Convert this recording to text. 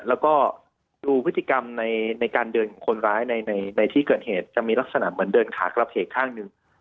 แล้วก็ดูพฤติกรรมในการเดินของคนร้ายในที่เกิดเหตุจะมีลักษณะเหมือนเดินขากระเพกข้างหนึ่ง